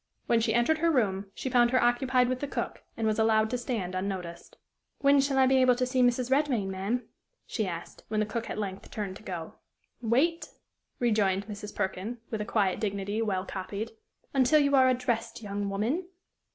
When she entered her room, she found her occupied with the cook, and was allowed to stand unnoticed. "When shall I be able to see Mrs. Redmain, ma'am?" she asked, when the cook at length turned to go. "Wait," rejoined Mrs. Perkin, with a quiet dignity, well copied, "until you are addressed, young woman."